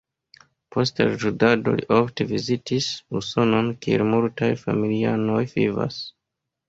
Post la studado li ofte vizitis Usonon, kie multaj familianoj vivas.